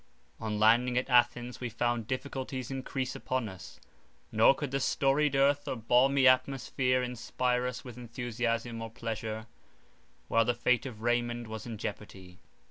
On landing at Athens we found difficulties encrease upon us: nor could the storied earth or balmy atmosphere inspire us with enthusiasm or pleasure, while the fate of Raymond was in jeopardy.